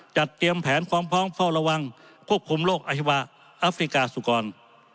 จัดเตรียมแผนความพร้อมเผ้าระวังควบคุมโรคอธิบายอาศิกาสุขรรค์